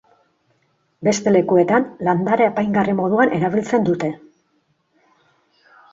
Beste lekuetan landare apaingarri moduan erabiltzen dute.